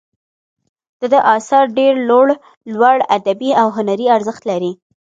د ده آثار ډیر لوړ ادبي او هنري ارزښت لري.